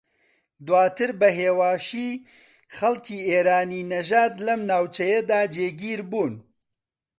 دواتر بە ھێواشی خەڵکی ئێرانی نەژاد لەم ناوچەیەدا جێگیر بوون